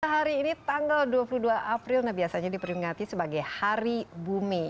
hari ini tanggal dua puluh dua april biasanya diperingati sebagai hari bumi